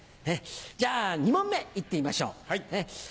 じゃあ２問目行ってみましょう。